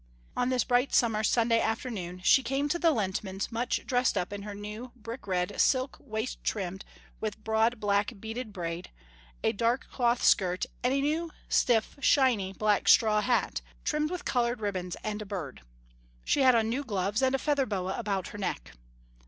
On this bright summer Sunday afternoon she came to the Lehntmans', much dressed up in her new, brick red, silk waist trimmed with broad black beaded braid, a dark cloth skirt and a new stiff, shiny, black straw hat, trimmed with colored ribbons and a bird. She had on new gloves, and a feather boa about her neck.